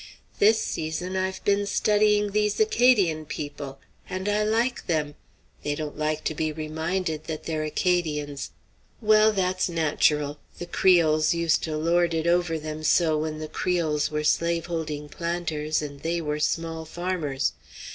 "This season I've been studying these Acadian people. And I like them! They don't like to be reminded that they're Acadians. Well, that's natural; the Creoles used to lord it over them so when the Creoles were slave holding planters and they were small farmers.